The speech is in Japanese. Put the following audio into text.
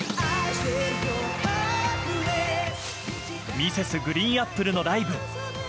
Ｍｒｓ．ＧＲＥＥＮＡＰＰＬＥのライブ。